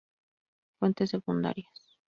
Fuentes secundarias